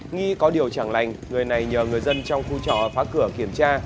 nghi có điều chẳng lành người này nhờ người dân trong khu trọ phá cửa kiểm tra